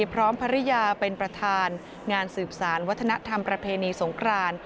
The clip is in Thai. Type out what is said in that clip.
พร้อมภรรยาเป็นประธานงานสืบสารวัฒนธรรมประเพณีสงคราน